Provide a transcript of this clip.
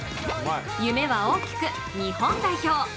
夢は大きく日本代表。